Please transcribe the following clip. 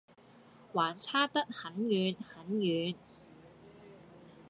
還差得很遠很遠。